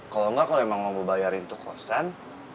kalau gak kalau emang mau bayarin tuh kosan